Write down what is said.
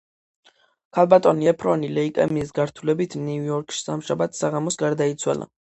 ქალბატონი ეფრონი ლეიკემიის გართულებით ნიუ-იორკში სამშაბათს საღამოს გარდაიცვალა.